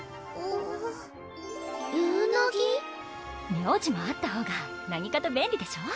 名字もあったほうが何かと便利でしょ？